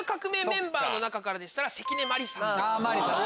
メンバーの中でしたら関根麻里さん。